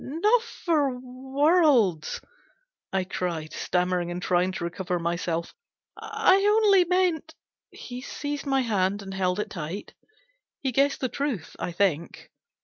"Not for worlds," I cried, stammering and trying to recover myself. " I only meant " He seized my hand, and held it tight. He guessed the truth, I think.